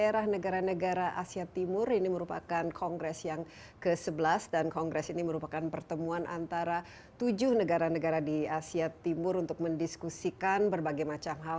rangkaian kongres ini merupakan pertemuan antara tujuh negara negara di asia timur untuk mendiskusikan berbagai macam hal